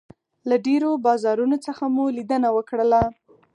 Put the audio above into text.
له ډېرو بازارونو څخه مو لیدنه وکړله.